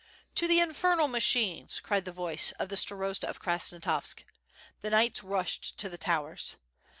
"To the infernal machines !^^ cried the voice of the Starosta of Krasnostavsk. The knights rushed to the towers.